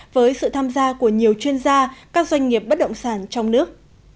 với sự tham gia của nhiều chuyên gia các doanh nghiệp bất động sản trong nước